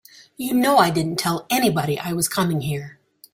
You know I didn't tell anybody I was coming here.